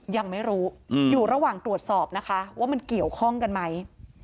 ยังไม่รู้อยู่ระหว่างตรวจสอบนะคะว่ามันเกี่ยวข้องกันไหม